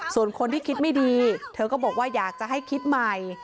ส่วนคนที่คิดไม่ดีเธอก็บอกว่าอยากจะให้คิดใหม่